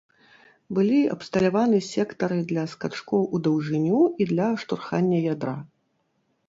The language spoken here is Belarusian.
Былі абсталяваны сектары для скачкоў у даўжыню і для штурхання ядра.